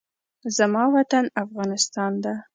زما وطن افغانستان ده